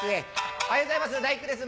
「おはようございます太福です